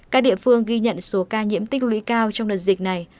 các địa phương ghi nhận số ca nhiễm tích lũy cao trong đợt dịch này